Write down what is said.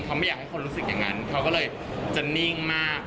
เขาไม่อยากให้คนรู้สึกอย่างนั้นเขาก็เลยจะนิ่งมาก